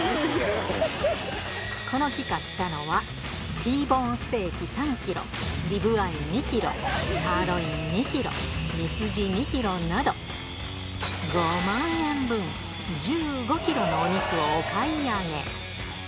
この日買ったのは、Ｔボーンステーキ３キロ、リブアイ２キロ、サーロイン２キロ、ミスジ２キロなど、５万円分、１５キロのお肉をお買い上げ。